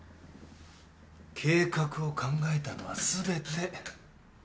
計画を考えたのは全て僕ですよ。